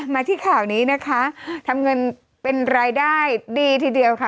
มาที่ข่าวนี้นะคะทำเงินเป็นรายได้ดีทีเดียวค่ะ